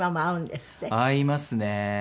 会いますね。